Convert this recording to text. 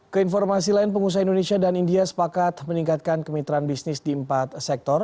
keinformasi lain pengusaha indonesia dan india sepakat meningkatkan kemitraan bisnis di empat sektor